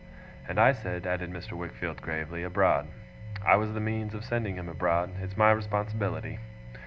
'And I said' added Mr. Wickfield gravely, 'abroad. I was the means of sending him abroad. It's my responsibility.